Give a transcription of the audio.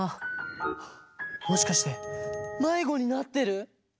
あもしかしてまいごになってる？